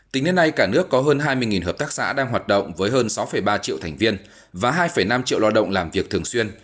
tính đến nay cả nước có hơn hai mươi hợp tác xã đang hoạt động với hơn sáu ba triệu thành viên và hai năm triệu lo động làm việc thường xuyên